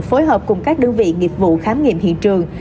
phối hợp cùng các đơn vị nghiệp vụ khám nghiệm hiện trường